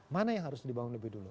mana yang harus dibangun lebih dulu